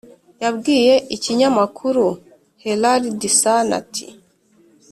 yabwiye ikinyamakuru herald sun ati